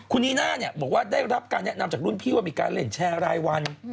คุณนีน่าบอกว่าได้รับการแนะนำจากรุ่นพี่ว่ามีการเล่นแชร์รายวัน